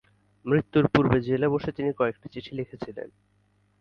মৃত্যুর পূর্বে জেলে বসে তিনি কয়েকটি চিঠি লিখেছিলেন।